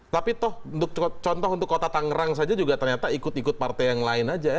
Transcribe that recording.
tapi toh contoh untuk kota tangerang saja juga ternyata ikut ikut partai yang lain aja ya